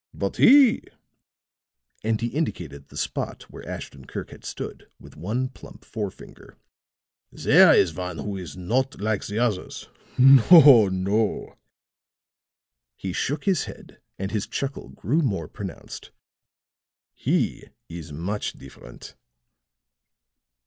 But he" and he indicated the spot where Ashton Kirk had stood with one plump forefinger "there is one who is not like the others. No, no," he shook his head and his chuckle grew more pronounced, "he is much different."